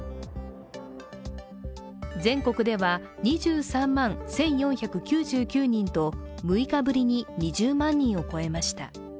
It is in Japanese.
全国では２３万１４９９人と６日ぶりに２０万人を超えました。